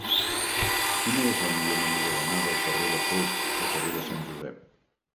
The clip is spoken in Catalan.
Quina és la millor manera d'anar del carrer de Foix al carrer de Sant Josep?